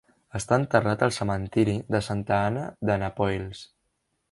Està enterrat al cementiri de Santa Anna d"Annapoils.